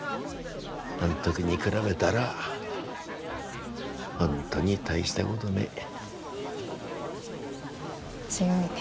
あん時に比べたら本当に大したことねえ。強いね。